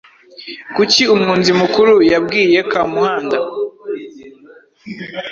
Kuki umwunzi mukuru yabwiye Kamuhanda